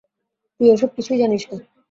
তুই এসব কিছুই জানিস না।